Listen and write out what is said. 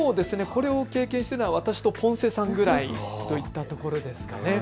これを経験しているのは私とポンセさんぐらいですかね。